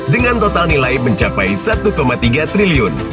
dengan total nilai mencapai satu tiga triliun